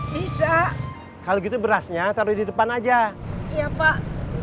bisa kalau gitu berasnya taruh di depan aja iya pak